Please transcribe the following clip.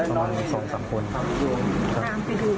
ตามไปดูไหมครับตอนนั้น